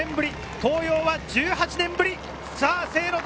東洋は１８年連続。